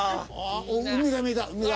海が見えた海が。